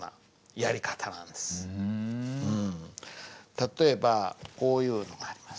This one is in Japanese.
例えばこういうのがあります。